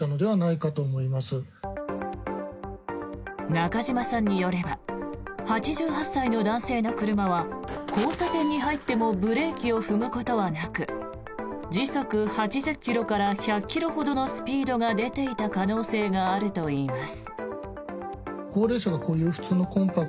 中島さんによれば８８歳の男性の車は交差点に入ってもブレーキを踏むことはなく時速８０ｋｍから１００ｋｍほどのスピードが出ていた可能性があるといいます。